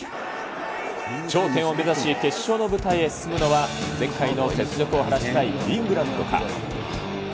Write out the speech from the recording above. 頂点を目指し決勝の舞台へ進むのは、前回の雪辱を果たしたいイングランドか。